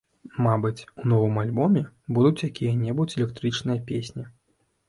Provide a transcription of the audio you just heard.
Мабыць, у новым альбоме будуць якія-небудзь электрычныя песні.